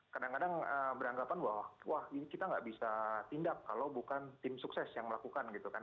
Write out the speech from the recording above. kadang kadang beranggapan bahwa wah ini kita nggak bisa tindak kalau bukan tim sukses yang melakukan gitu kan